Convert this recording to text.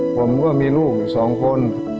ผมก็มีลูกอยู่สองคน